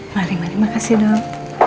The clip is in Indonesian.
mari mari makasih dok